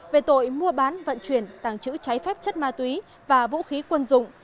về tội mua bán vận chuyển tàng trữ trái phép chất ma túy và vũ khí quân dụng